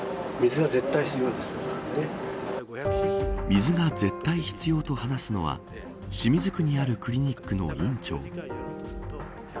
水が絶対必要と話すのは清水区にあるクリニックの院長。